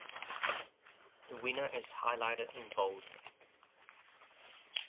The winner is highlighted in bold.